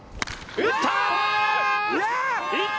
打った！